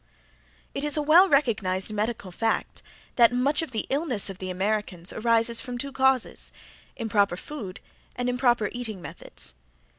It is a well recognized medical fact that much of the illness of Americans arises from two causes, improper food and improper eating methods.